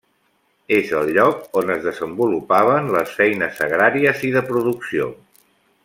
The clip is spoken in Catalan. És el lloc on es desenvolupaven les feines agràries i de producció.